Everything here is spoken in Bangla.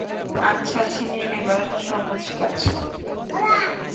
আচ্ছা, ছিনিয়ে নেবার সহজ কাজ।